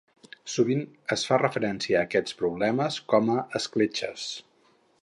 Sovint es fa referència a aquests problemes com a "escletxes".